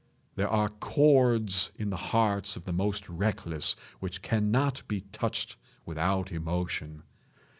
There are chords in the hearts of the most reckless which cannot be touched without emotion.